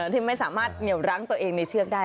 ที่ไม่สามารถเหนียวรั้งตัวเองในเชือกได้